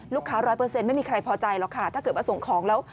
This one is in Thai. ร้อยเปอร์เซ็นต์ไม่มีใครพอใจหรอกค่ะถ้าเกิดว่าส่งของแล้ว